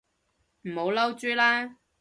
唔好嬲豬啦